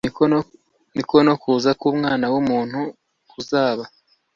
Ni ko no kuza k’Umwana w’umuntu kuzaba.”